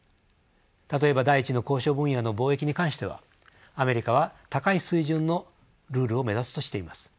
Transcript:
例えば第１の交渉分野の貿易に関してはアメリカは高い水準のルールを目指すとしています。